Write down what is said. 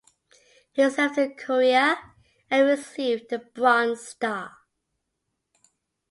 He served in Korea and received the Bronze Star.